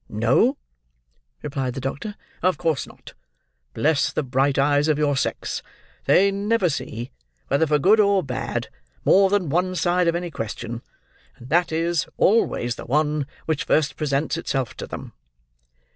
"No," replied the doctor; "of course not! Bless the bright eyes of your sex! They never see, whether for good or bad, more than one side of any question; and that is, always, the one which first presents itself to them."